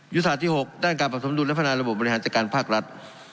ศาสตร์ที่๖ด้านการประสมดุลและพัฒนาระบบบบริหารจัดการภาครัฐ